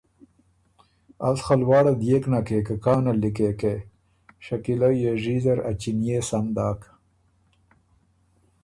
از خه لواړه دئېک نکې که کانل لیکېکې؟ شکیله يېژي زر ا چِنيې سم داک۔